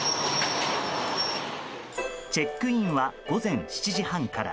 チェックインは午前７時半から。